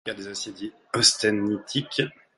C'est le cas des aciers dits austénitiques.